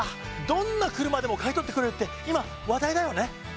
どんな車でも買い取ってくれるって今話題だよね。